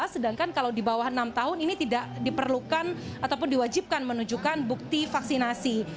sedangkan kalau di bawah enam tahun ini tidak diperlukan ataupun diwajibkan menunjukkan bukti vaksinasi